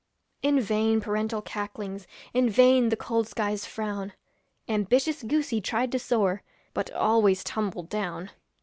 In vain parental cacklings, In vain the cold sky's frown, Ambitious goosey tried to soar, But always tumbled down.